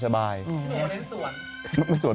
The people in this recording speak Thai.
สวนผลังมีสวน